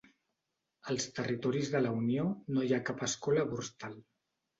Als territoris de la Unió no hi ha cap escola Borstal.